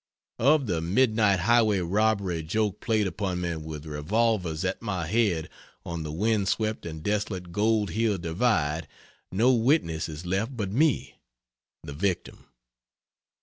Of the mid night highway robbery joke played upon me with revolvers at my head on the windswept and desolate Gold Hill Divide, no witness is left but me, the victim.